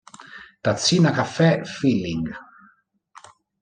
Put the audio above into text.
Tazzina caffè Feeling.